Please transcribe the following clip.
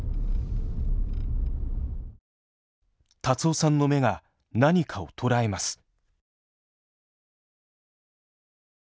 辰雄さんの目が何かを捉えます。